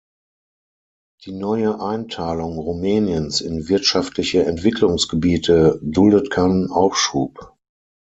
Die neue Einteilung Rumäniens in wirtschaftliche Entwicklungsgebiete duldet keinen Aufschub.